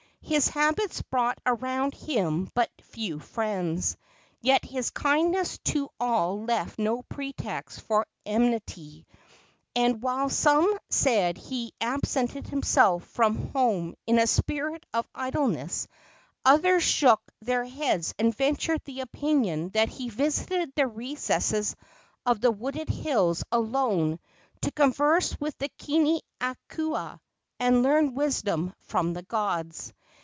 His habits brought around him but few friends, yet his kindness to all left no pretext for enmity; and while some said he absented himself from home in a spirit of idleness, others shook their heads and ventured the opinion that he visited the recesses of the wooded hills alone to converse with the kini akua and learn wisdom from the gods.